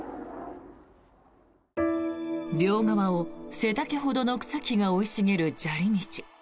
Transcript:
両側を背丈ほどの草木が生い茂る砂利道。